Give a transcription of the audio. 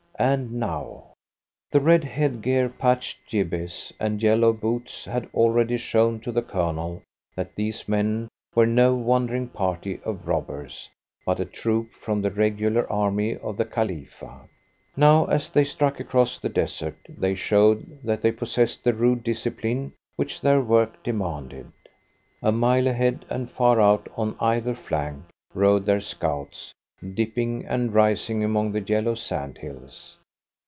And now! The red head gear, patched jibbehs, and yellow boots had already shown to the Colonel that these men were no wandering party of robbers, but a troop from the regular army of the Khalifa. Now, as they struck across the desert, they showed that they possessed the rude discipline which their work demanded. A mile ahead, and far out on either flank, rode their scouts, dipping and rising among the yellow sand hills.